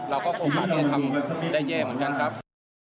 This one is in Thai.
เราก็คงสามารถที่จะทำได้แย่เหมือนกันครับ